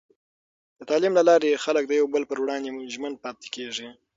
د تعلیم له لارې، خلک د یو بل پر وړاندې ژمن پاتې کېږي.